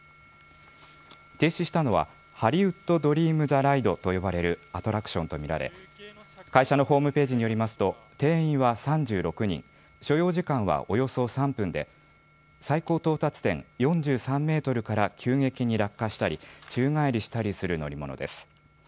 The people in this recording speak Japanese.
停止したのはハリウッド・ドリーム・ザ・ライドと呼ばれるアトラクションと見られ会社のホームページによりますと定員は３６人、所要時間はおよそ３分で最高到達点４３メートルから急激に落下したり宙返りしたりする乗り物です。